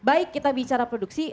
baik kita bicara produksi